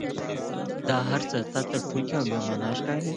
دا هرڅه تا ته ټوکې او بې معنا ښکاري.